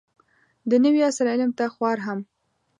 د نوي عصر علم ته خوار هم